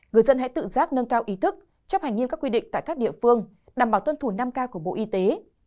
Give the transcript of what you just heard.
người dân hãy tự giác nâng cao ý thức chấp hành nghiêm các quy định tại các địa phương đảm bảo tuân thủ năm k của bộ y tế